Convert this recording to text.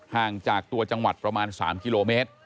ห่างจากตัวจังหวัดประมาณ๓กิโลเมตร